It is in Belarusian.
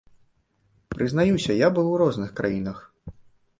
Прызнаюся, я быў у розных краінах.